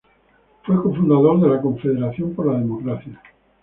Fue co-fundador de la "Confederación por la Democracia".